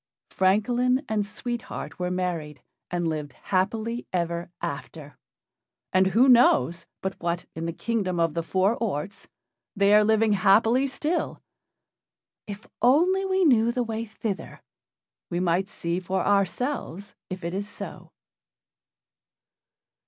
Francolin and Sweet Heart were married, and lived happy ever after, and who knows but what, in the Kingdom of the Four Orts, they are living happily still? If only we knew the way thither, we might see for ourselves if it is so.